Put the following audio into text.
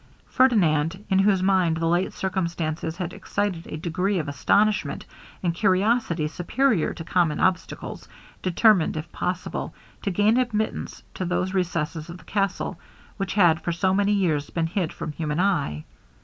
Ferdinand, in whose mind the late circumstances had excited a degree of astonishment and curiosity superior to common obstacles, determined, if possible, to gain admittance to those recesses of the castle, which had for so many years been hid from human eye.